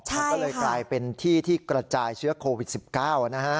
มันก็เลยกลายเป็นที่ที่กระจายเชื้อโควิด๑๙นะฮะ